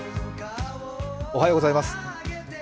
おはようございます。